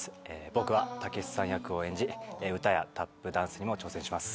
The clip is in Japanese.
僕は武さん役を演じ歌やタップダンスにも挑戦します。